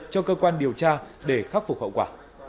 cho cơ quan điều tra để khắc phục hậu quả